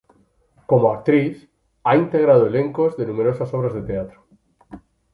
Como actriz, ha integrado elencos de numerosas obras de teatro.